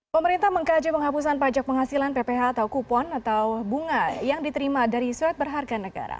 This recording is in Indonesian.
pemerintah mengkaji penghapusan pajak penghasilan pph atau kupon atau bunga yang diterima dari surat berharga negara